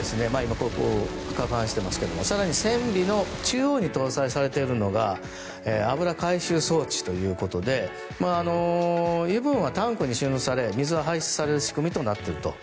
更に船尾の中央に搭載されているのが油回収装置ということで油分はタンクに収納され水は排出される仕組みとなっていると。